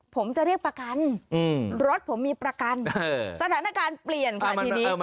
ผมจะเรียกประกันรถผมมีประกันสถานการณ์เปลี่ยนค่ะทีนี้